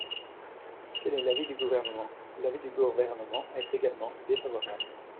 Quel est l’avis du Gouvernement ? L’avis du Gouvernement est également défavorable.